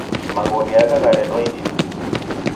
Magho gheagha gharedwa idime